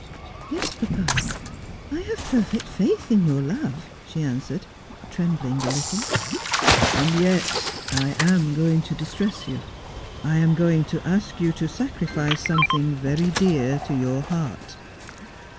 ' Yes, p.'ipa, I have perfect faith, in your love,' she answered, trembling a little. ' And yet I am going to distress you. I am going to ask you to sacrifice something very dear to your heart.'